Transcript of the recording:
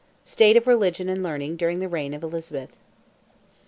STATE OF RELIGION AND LEARNING DURING THE REIGN OF ELIZABETH.